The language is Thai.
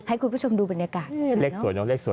ให้คุณผู้ชมดูบรรยากาศ